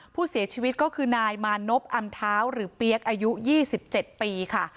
ผู้เสียชีวิตก็คือนายมานบอำเท้าหรือเปี๊ยกอายุ๒๗ปีค่ะ